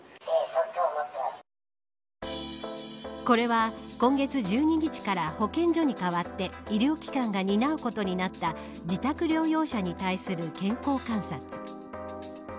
これは今月１２日から保健所に代わって医療機関が担うことになった自宅療養者に対する健康観察。